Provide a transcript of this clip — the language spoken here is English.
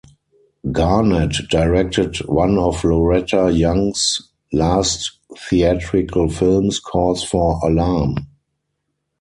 Garnett directed one of Loretta Young's last theatrical films, Cause for Alarm!